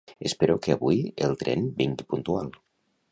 Espero que avui el tren vingui puntual